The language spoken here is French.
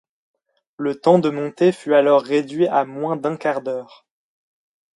Le temps de montée fut alors réduit à moins d'un quart d'heure.